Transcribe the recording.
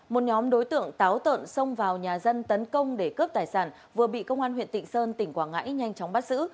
một nhóm đối tượng táo tợn xông vào nhà dân tấn công để cướp tài sản vừa bị công an huyện tịnh sơn tỉnh quảng ngãi nhanh chóng bắt giữ